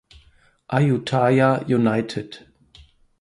Ayutthaya United